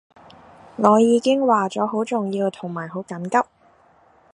我已經話咗好重要同埋好緊急